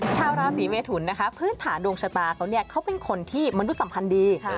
ชาวราศีเมทุนนะคะพื้นฐานดวงชะตาเขาเนี่ยเขาเป็นคนที่มนุษย์สัมพันธ์ดี